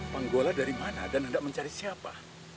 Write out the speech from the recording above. panggola dari mana dan hendak mencari siapa